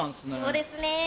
そうですねぇ。